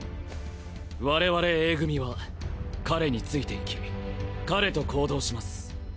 われわれＡ組は彼について行き彼と行動します。